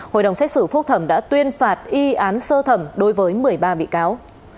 hội đồng xét xử phúc thẩm đã tuyên phạt y án sơ thẩm đối với một mươi ba bị cáo